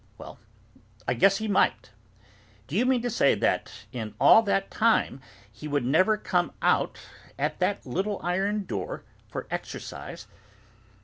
'Well, I guess he might.' 'Do you mean to say that in all that time he would never come out at that little iron door, for exercise?